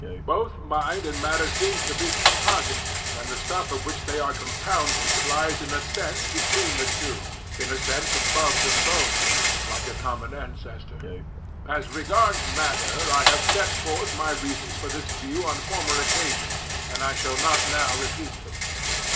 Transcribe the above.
Both mind and matter seem to be composite, and the stuff of which they are compounded lies in a sense between the two, in a sense above them both, like a common ancestor. As regards matter, I have set forth my reasons for this view on former occasions,* and I shall not now repeat them.